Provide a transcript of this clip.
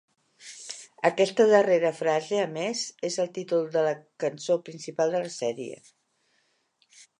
Aquesta darrera frase, a més, és el títol de la cançó principal de la sèrie.